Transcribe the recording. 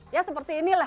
ya seperti inilah